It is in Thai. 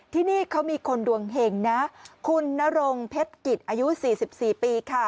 ที่นี่เขามีคนดวงเห็งนะคุณนรงเพชรกิจอายุ๔๔ปีค่ะ